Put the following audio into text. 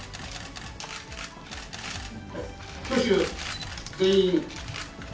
挙手、全員。